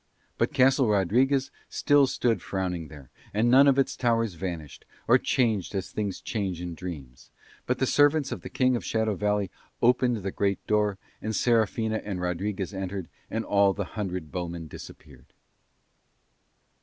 But Castle Rodriguez still stood frowning there, and none of its towers vanished, or changed as things change in dreams; but the servants of the King of Shadow Valley opened the great door, and Serafina and Rodriguez entered, and all the hundred bowmen disappeared.